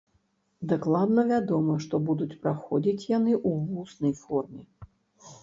Дакладна вядома, што будуць праходзіць яны ў вуснай форме.